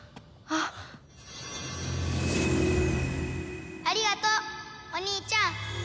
ありがとうお兄ちゃん。